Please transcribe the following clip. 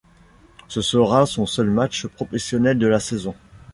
Ce sera son seul match professionnel de la saison.